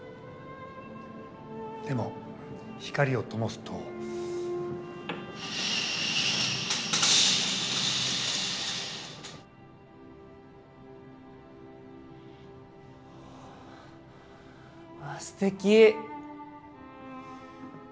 でも光を灯すと。わすてき！